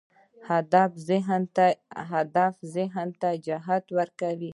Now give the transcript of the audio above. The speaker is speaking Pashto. هدف ذهن ته جهت ورکوي.